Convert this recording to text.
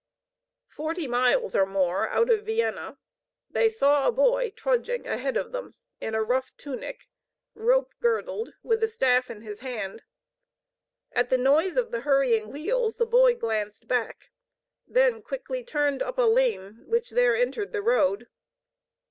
Forty miles or more out of Vienna, they saw a boy trudging ahead of them, in a rough tunic, rope girdled, with a staff in his hand. At the noise of the hurrying wheels the boy glanced back, then quickly turned up a lane which there entered the road.